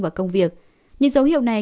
vào công việc những dấu hiệu này